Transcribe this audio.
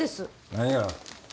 何が？